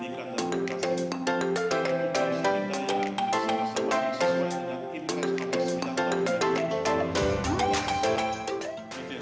kinerja bnsp menjaga kepentingan masyarakat di bnsp